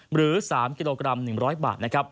หรือ๓กิโลกรัม๑๐๐บาท